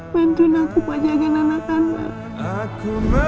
bantuin aku pajangan anak anak